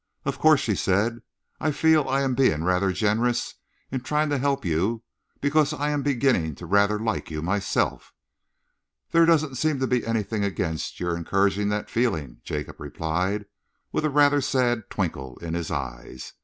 "Of course," she said, "I feel I am being rather generous in trying to help you, because I am beginning to rather like you myself." "There doesn't seem to be anything against your encouraging the feeling," Jacob replied, with a rather sad twinkle in his eyes.